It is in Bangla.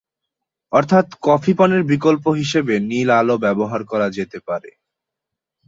অর্থাত্, কফি পানের বিকল্প হিসেবে নীল আলো ব্যবহার করা যেতে পারে।